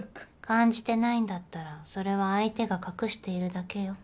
感じてないんだったらそれは相手が隠しているだけよ。